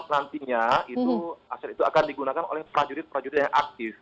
nantinya aset itu akan digunakan oleh prajurit prajurit yang aktif